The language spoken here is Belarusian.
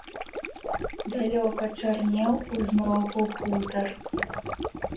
Далёка чарнеў у змроку хутар.